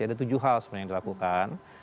ada tujuh hal sebenarnya yang dilakukan